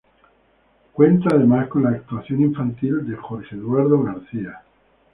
Cuenta además con la actuación infantil de Jorge Eduardo García.